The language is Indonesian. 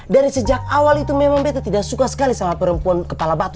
dari sejak awal itu memang beta tidak suka sekali sama perempuan kepala batu